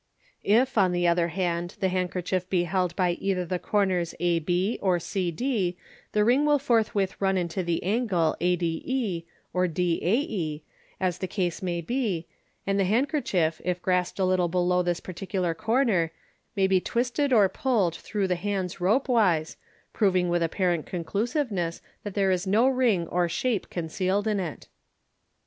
If, on the other hand, the handkerchief be held by either the corners a b or c d, the ring will forthwith run into the angle a d e or d a e, as the case may be, and the handkerchief, if grasped a little below this particular corner, may be twisted or pulled through the hands ropewise, proving, with apparent conclusiveness, that there is no ring or shape concealed in it.